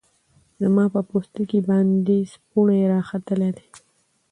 زما په پوستکی باندی سپوڼۍ راختلې دی